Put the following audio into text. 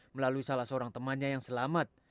melalui salah seorang temannya yang selamat